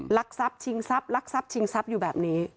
หลักศัพท์ชิงศัพท์หลักศัพท์ชิงศัพท์อยู่แบบนี้